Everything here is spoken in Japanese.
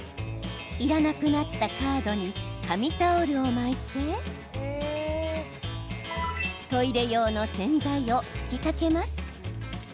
いらなくなったカードに紙タオルを巻いてトイレ用の洗剤を吹きかけます。